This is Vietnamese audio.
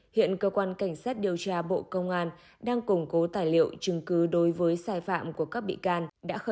hiện cơ quan cảnh sát điều tra bộ công an đang củng cố tài liệu chứng cứ đối với sai phạm của các bị can